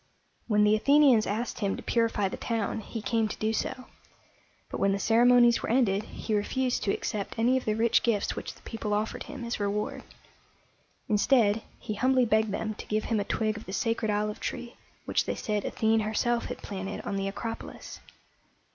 When the Athenians asked him to purify the town, he came to do so; but when the ceremonies were ended, he refused to accept any of the rich gifts which the people offered him as reward. Instead, he humbly begged them to give him a twig of the sacred olive tree which they said Athene herself had planted on the Acropolis.